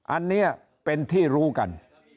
อันนี้เป็นที่รู้กัน